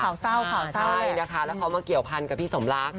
ข่าวเศร้าข่าวเศร้าใช่นะคะแล้วเขามาเกี่ยวพันกับพี่สมรัก